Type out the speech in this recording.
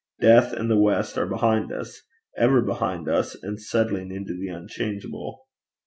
Death and the west are behind us ever behind us, and settling into the unchangeable.